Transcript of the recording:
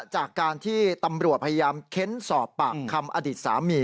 จากการที่ตำรวจพยายามเค้นสอบปากคำอดีตสามี